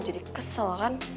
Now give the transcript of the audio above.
jadi kesel kan